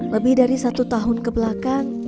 lebih dari satu tahun ke belakang